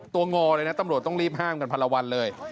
งอเลยนะตำรวจต้องรีบห้ามกันพันละวันเลย